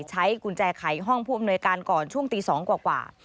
ใช้กุญแจไขห้องผู้อำนวยการก่อนช่วงตี๒กว่า